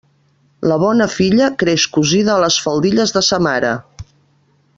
La bona filla creix cosida a les faldilles de sa mare.